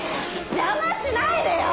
邪魔しないでよ！